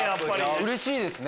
うれしいですね